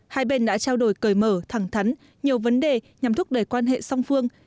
hai bên đã trao đổi cởi mở thẳng thắn nhiều vấn đề nhằm thúc đẩy quan hệ song phương